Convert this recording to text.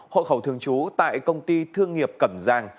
hộ khẩu thường trú tại công ty thương nghiệp cẩm giang